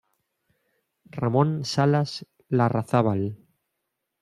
Ramón Salas Larrazábal.